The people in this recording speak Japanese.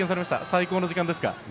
最高の時間ですか？